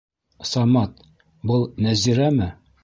Самат, был Нәзирәме?